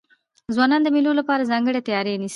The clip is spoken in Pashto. ځوانان د مېلو له پاره ځانګړې تیاری نیسي.